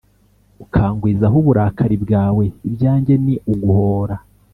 Ukangwizaho uburakari bwawe ibyanjye ni uguhora